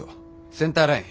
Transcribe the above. センターライン。